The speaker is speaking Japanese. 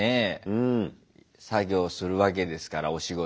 うん。作業するわけですからお仕事。